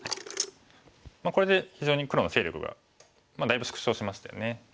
これで非常に黒の勢力がだいぶ縮小しましたよね。